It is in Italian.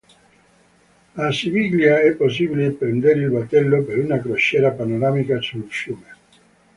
A Siviglia è possibile prendere il battello per una crociera panoramica sul fiume.